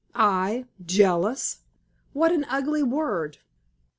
I, jealous! What an ugly word!